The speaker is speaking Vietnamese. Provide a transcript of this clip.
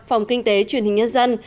phòng kinh tế truyền hình nhân dân